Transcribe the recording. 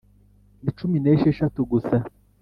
ni cumi n’esheshatu gusa